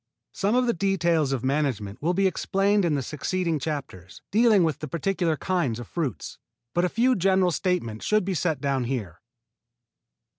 Some of the details of management will be explained in the succeeding chapters, dealing with the particular kinds of fruits, but a few general statements should be set down here.